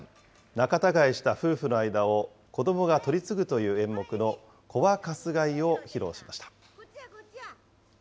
仲たがいした夫婦の間を子どもが取り次ぐという演目の子はかすがいを披露しました。